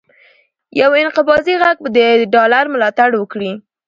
یو انقباضي غږ به د ډالر ملاتړ وکړي،